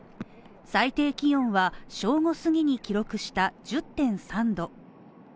最低気温は正午過ぎに記録した１０．３度。